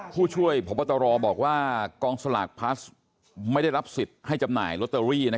ผมก็ต้องเรียนตรงว่า